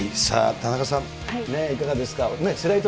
田中さん、いかがですか？